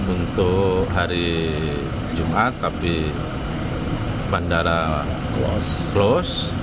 untuk hari jumat tapi bandara loss